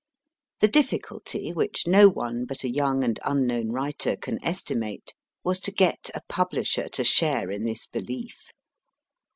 The difficulty, which no one but a young and unknown writer can estimate, was to get a publisher to share in this belief.